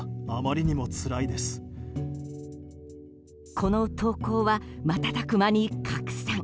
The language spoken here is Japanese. この投稿は瞬く間に拡散。